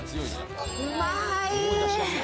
うまい。